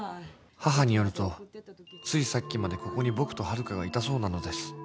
［母によるとついさっきまでここに僕とはるかがいたそうなのです］